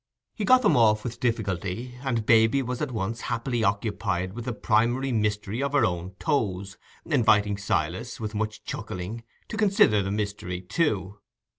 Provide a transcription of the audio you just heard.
He got them off with difficulty, and baby was at once happily occupied with the primary mystery of her own toes, inviting Silas, with much chuckling, to consider the mystery too.